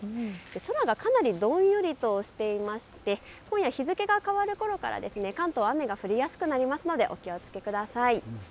空がかなりどんよりとしていて今夜、日付が変わるころから関東、雨が降りやすくなるのでお気をつけください。